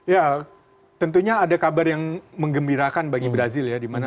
ya tentunya ada kabar yang mengembirakan bagi brazil ya